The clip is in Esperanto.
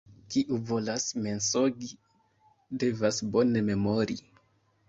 Kiu volas mensogi, devas bone memori.